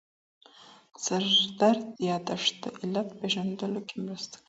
د سردرد یادښت د علت پېژندلو کې مرسته کوي.